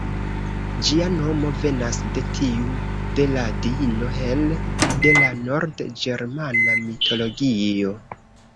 Ĝia nomo venas de tiu de la diino Hel, de la nord-ĝermana mitologio.